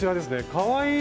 かわいい！